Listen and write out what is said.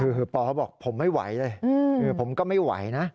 คือปอเขาบอกผมไม่ไหวเลยผมก็ไม่ไหวนะ